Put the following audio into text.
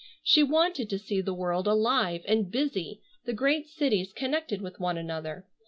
She wanted to see the world alive, and busy, the great cities connected with one another.